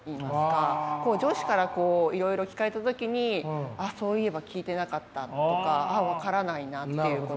上司からいろいろ聞かれた時にそういえば聞いてなかったとかあっ分からないなっていうことで。